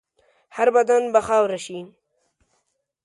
هر بدن به خاوره شي.